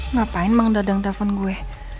ngapain mengedadang telepon gue